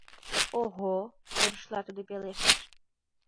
— Ого! — ӧршыла тудо пелештыш.